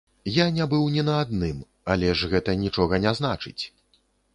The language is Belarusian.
Я не быў ні на адным, але ж гэта нічога не значыць.